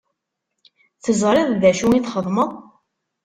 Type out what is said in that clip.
Teẓṛiḍ d acu i txedmeḍ?